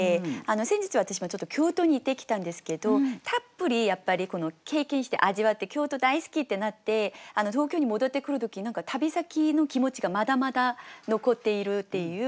先日私もちょっと京都に行ってきたんですけどたっぷりやっぱり経験して味わって京都大好きってなって東京に戻ってくる時に何か旅先の気持ちがまだまだ残っているっていう